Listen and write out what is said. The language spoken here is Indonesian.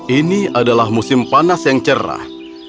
ini adalah musim panas yang cerah